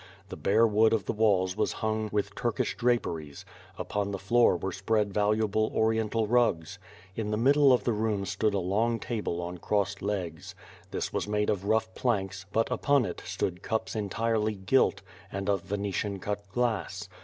The bare wood of the walls was hung with Turkish draperies; upon the floor were spread valuable Oriental rugs. In the middle of the room stood a long table on crossed legs. This was made of rough planks, but upon it stood cups entirely gilt, and of Venetian cut glass.